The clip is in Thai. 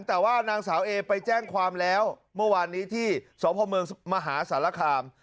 แต่ว่านางสาวเอไปแจ้งความแล้วเมื่อวานนี้ที่สพเมืองมหาสารคาม